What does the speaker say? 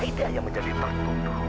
itu aida yang menjadi pertutup